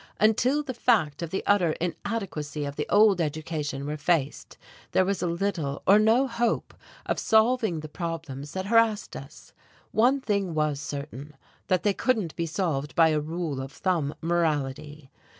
Until the fact of the utter inadequacy of the old education were faced, there was little or no hope of solving the problems that harassed us. One thing was certain that they couldn't be solved by a rule of thumb morality.